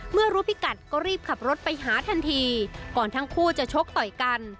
เมื่อรู้พิกัดก็รีบขับรถไปหาทันทีก่อนทั้งคู่จะชกต่อยกัน